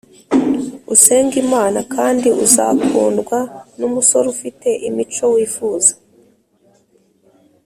Usenge Imana kandi uzakundwa n’umusore ufite imico wifuza